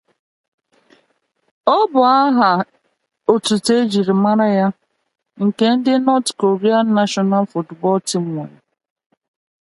It is the nickname of the North Korean national football team.